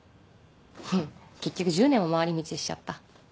結局１０年も回り道しちゃった。